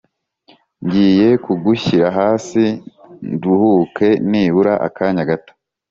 ngiye kugushyira hasi nduhuke nibura akanya gato